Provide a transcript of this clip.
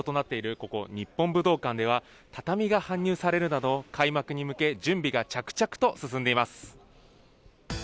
ここ、日本武道館では、畳が搬入されるなど、開幕に向け、準備が着々と進んでいます。